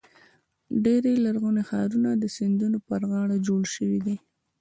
ډېری لرغوني ښارونه د سیندونو پر غاړو جوړ شوي دي.